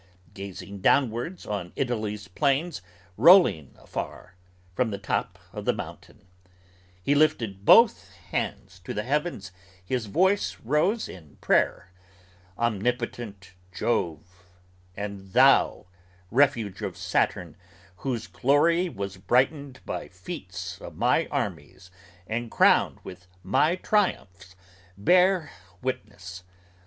Gazing downwards On Italy's plains rolling far, from the top of the mountain, He lifted both hands to the heavens, his voice rose in prayer: 'Omnipotent Jove, and thou, refuge of Saturn whose glory Was brightened by feats of my armies and crowned with my triumphs, Bear witness!